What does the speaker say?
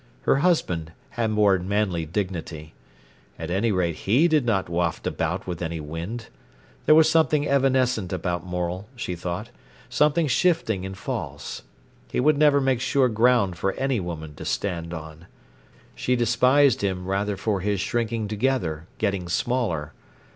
Her husband had more manly dignity. At any rate he did not waft about with any wind. There was something evanescent about Morel, she thought, something shifting and false. He would never make sure ground for any woman to stand on. She despised him rather for his shrinking together, getting smaller.